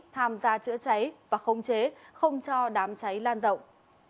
tham gia chữa cháy và khống chế không cho đám cháy lan rộng